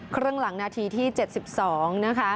ครึ่งหลังนาทีที่๗๒นะคะ